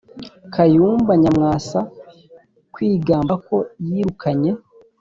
kayumba nyamwasa kwigamba ko yirukanye